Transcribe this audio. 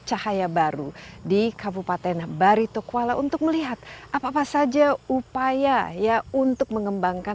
cahaya baru di kabupaten baritokwala untuk melihat apa apa saja upaya ya untuk mengembangkan